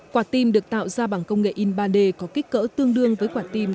quả tim được tạo ra bằng công nghệ in ba d có kích cỡ tương đương với quả tim